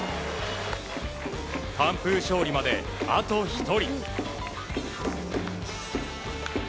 完封勝利まであと１人。